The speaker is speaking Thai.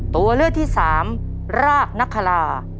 ตัวเลือกที่สามรากนักคลา